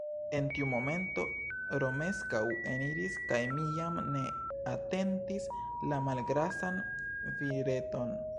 En tiu momento Romeskaŭ eniris kaj mi jam ne atentis la malgrasan vireton.